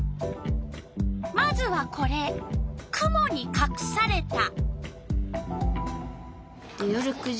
まずはこれ「くもにかくされた」。